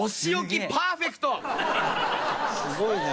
すごいな。